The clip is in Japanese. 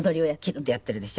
ッてやってるでしょ。